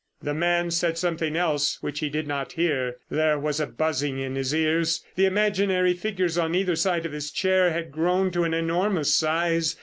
The man said something else which he did not hear. There was a buzzing in his ears. The imaginary figures on either side of his chair had grown to an enormous size.